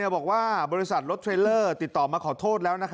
บอกว่าบริษัทรถเทรลเลอร์ติดต่อมาขอโทษแล้ว